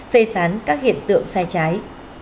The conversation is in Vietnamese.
phê phán các hiện tượng sai trái